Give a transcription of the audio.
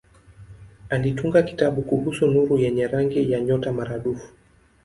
Alitunga kitabu kuhusu nuru yenye rangi ya nyota maradufu.